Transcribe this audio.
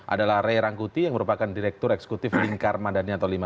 adalah rey rangkuti yang merupakan direktur eksekutif lingkar madani atollima